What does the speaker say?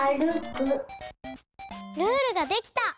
ルールができた！